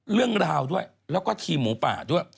เรื่องราวด้วยแล้วก็ทีมหมูป่าด้วย